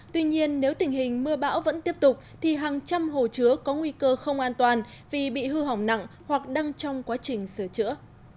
tuy nhiên nếu tình hình mưa bão vẫn tiếp tục thì hàng trăm hồ chứa có nguy cơ không an toàn vì bị hư hỏng nặng hoặc đang trong quá trình sửa chữa